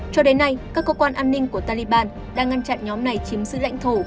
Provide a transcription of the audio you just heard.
cho đến nay các cơ quan an ninh của taliban đang ngăn chặn nhóm này chiếm giữ lãnh thổ